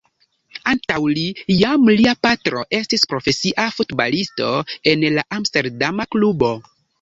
Antaŭ li, jam lia patro estis profesia futbalisto en la amsterdama klubo.